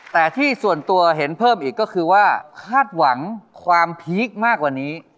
แต่ที่ส่วนตัวเห็นเพิ่มอีกก็คือว่าคาดหวังความพีคมากกว่านี้